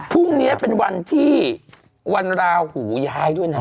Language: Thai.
พรุ่งนี้เป็นวันที่วันราหูย้ายด้วยนะ